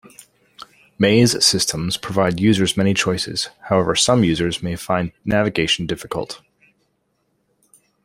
Maze systems provide users many choices; however, some users may find navigation difficult.